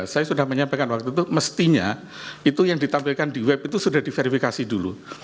saya sudah menyampaikan waktu itu mestinya itu yang ditampilkan di web itu sudah diverifikasi dulu